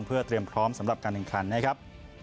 เพื่อเตรียมพร้อมสำหรับการแข่งขันนะครับ